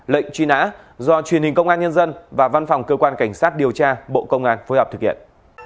lệnh truy nã do truyền hình công an nhân dân và văn phòng cơ quan cảnh sát điều tra bộ công an phối hợp thực hiện